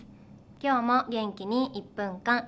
今日も元気に「１分間！